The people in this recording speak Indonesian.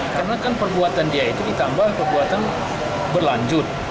karena kan perbuatan dia itu ditambah perbuatan berlanjut